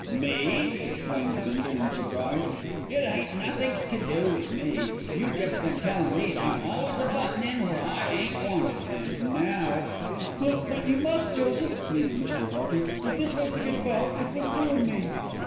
"Me!" exclaimed Bindle in surprise. "It ain't nothink to do with me. You jest been tellin' me I'm always a buttin' in where I ain't wanted, and now " "But but you must, Joseph," pleaded Mr. Hearty. "If this was to get about, it would ruin me."